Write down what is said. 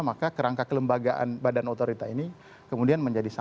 maka kerangka kelembagaan badan otorita ini kemudian menjadi satu